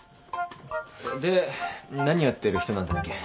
で何やってる人なんだっけ？